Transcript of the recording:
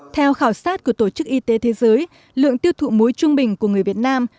theo khảo sát của tổ chức y tế thế giới lượng tiêu thụ muối trung bình của người việt nam